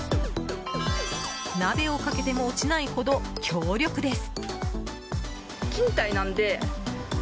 鍋を掛けても落ちないほど強力です。